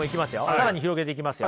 更に広げていきますよ。